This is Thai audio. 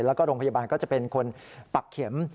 แล้วก็โรงพยาบาลก็จะเป็นคนปักเข็ม